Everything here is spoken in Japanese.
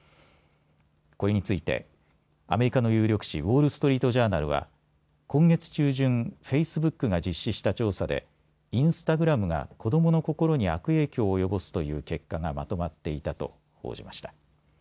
これについてアメリカの有力紙、ウォール・ストリート・ジャーナルは今月中旬、フェイスブックが実施した調査でインスタグラムが子どもの心に悪影響を及ぼすという結果がまとまっていたと報じました。